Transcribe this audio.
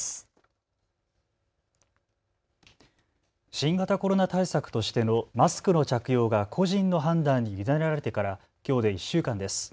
新型コロナ対策としてのマスクの着用が個人の判断に委ねられてからきょうで１週間です。